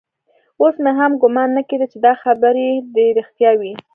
اوس مې هم ګومان نه کېده چې دا خبرې دې رښتيا وي.